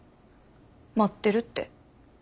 待ってるって。